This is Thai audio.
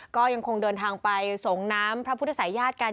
ก็ยังคงเดินทางไปส่งน้ำพระพุทธศัยญาติกัน